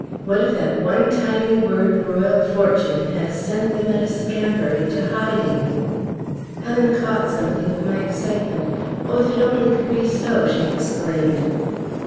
"What if that one tiny word Royal Fortune has sent them at a scamper into hiding?" Helen caught something of my excitement. "Oh! if it only could be so!" she exclaimed.